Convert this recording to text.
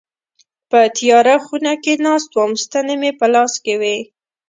په تياره خونه کي ناست وم ستني مي په لاس کي وي.